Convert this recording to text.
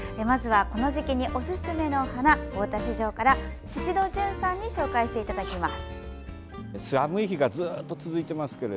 まずはこの時期におすすめの花を大田市場から宍戸純さんに紹介していただきます。